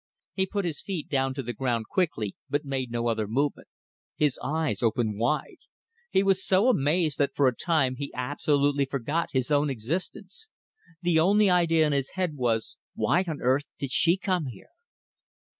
He put his feet down to the ground quickly, but made no other movement. His eyes opened wide. He was so amazed that for a time he absolutely forgot his own existence. The only idea in his head was: Why on earth did she come here?